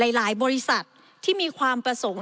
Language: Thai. หลายบริษัทที่มีความประสงค์